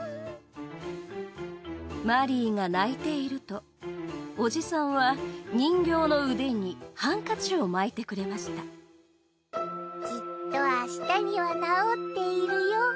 マリーが泣いているとおじさんは人形の腕にハンカチを巻いてくれましたきっとあしたにはなおっているよ。